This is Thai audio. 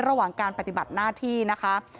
ระหว่างการปฏิบัติหน้าที่นะคะ